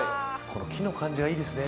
この木の感じがいいですね。